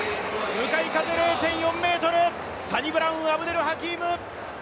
向かい風０．４ｍ、サニブラウン・アブデル・ハキーム。